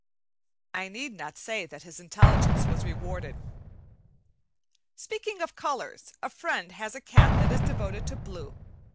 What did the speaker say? I need not say that his intelligence was rewarded. Speaking of colors, a friend has a cat that is devoted to blue.